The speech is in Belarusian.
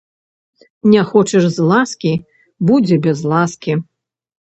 Не хочаш з ласкі, будзе без ласкі!